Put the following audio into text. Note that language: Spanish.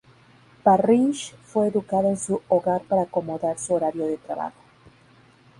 Parrish fue educada en su hogar para acomodar su horario de trabajo.